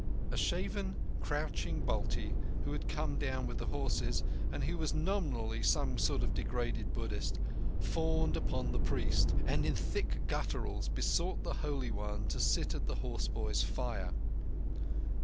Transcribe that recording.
A shaven, crouching Balti, who had come down with the horses, and who was nominally some sort of degraded Buddhist, fawned upon the priest, and in thick gutturals besought the Holy One to sit at the horseboys' fire.